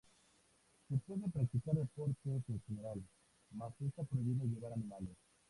Se pueden practicar deportes en general, mas está prohibido llevar animales.